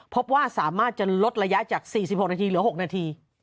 พบว่าสามารถจะลดระยะจาก๔๖นาทีเหลือ๖นาที